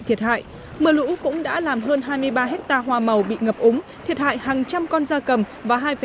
thiệt hại mưa lũ cũng đã làm hơn hai mươi ba hectare hoa màu bị ngập úng thiệt hại hàng trăm con da cầm và